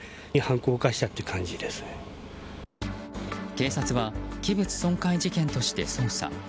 警察は器物損壊事件として捜査。